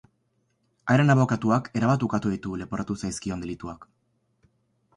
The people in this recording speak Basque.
Haren abokatuak erabat ukatu ditu leporatu zaizkion delituak.